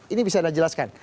ini bisa anda jelaskan